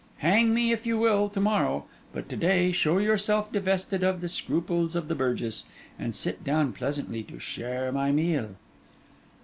Hang me, if you will, to morrow; but to day show yourself divested of the scruples of the burgess, and sit down pleasantly to share my meal.